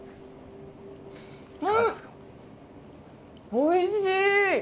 おいしい！